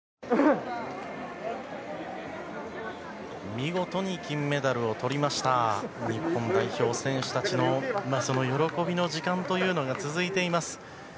見事に金メダルをとりました、日本代表の選手たちの喜びの時間というのが続いています。